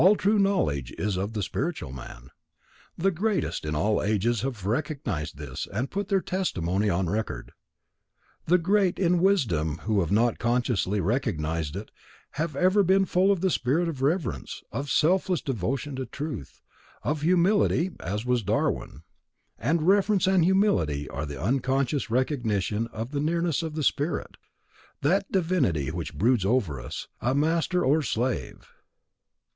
All true knowledge is of the spiritual man. The greatest in all ages have recognized this and put their testimony on record. The great in wisdom who have not consciously recognized it, have ever been full of the spirit of reverence, of selfless devotion to truth, of humility, as was Darwin; and reverence and humility are the unconscious recognition of the nearness of the Spirit, that Divinity which broods over us, a Master o'er a slave.